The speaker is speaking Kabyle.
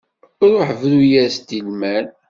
Ruḥ bru-yas-d i lmal.